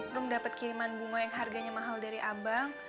belum dapat kiriman bunga yang harganya mahal dari abang